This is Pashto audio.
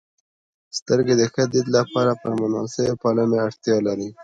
• سترګې د ښه دید لپاره پر مناسبې پالنې اړتیا لري.